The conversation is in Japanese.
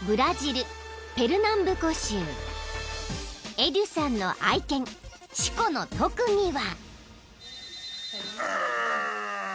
［エドゥさんの愛犬シコの特技は］